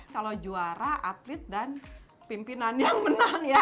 kalau juara atlet dan pimpinan yang menang ya